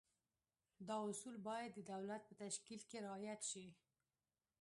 دا اصول باید د دولت په تشکیل کې رعایت شي.